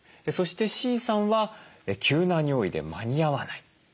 そしてＣさんは急な尿意で間に合わない。